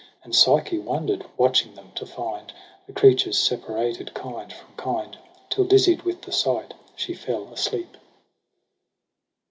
And Psyche wonder'd, watching them, to find The creatures separated kind from kind : Till dizzied with the sight she fell asleep.